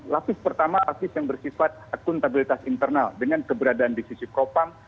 lapis pertama lapis yang bersifat akuntabilitas internal dengan keberadaan di sisi propam